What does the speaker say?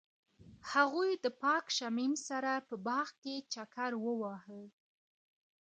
هغوی د پاک شمیم سره په باغ کې چکر وواهه.